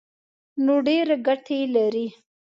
نو ډېرې ګټې لري.